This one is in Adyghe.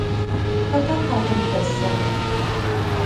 Xэтa хатэм пэсыр?